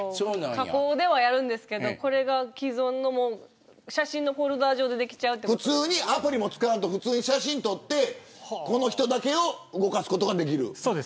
加工ではやるんですけどこれが既存の写真のフォルダー上でできるんでアプリを使わんと普通に写真を撮ってこの人だけを動かすことができる。